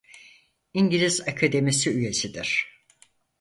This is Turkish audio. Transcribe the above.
İngiliz Akademisi üyesidir.